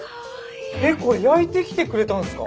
えっこれ焼いてきてくれたんすか？